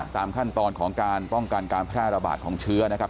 ตามขั้นตอนของการป้องกันการแพร่ระบาดของเชื้อนะครับ